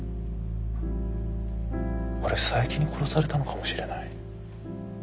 俺佐伯に殺されたのかもしれない。